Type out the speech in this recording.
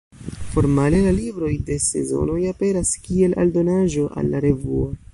Formale la libroj de Sezonoj aperas kiel aldonaĵo al la revuo.